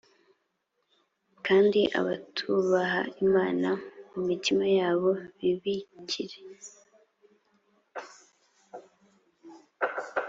kandi abatubaha imana mu mitima yabo bibikira